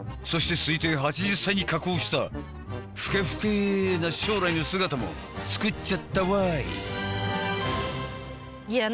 そして推定８０歳に加工した老け老けな将来の姿も作っちゃったわい！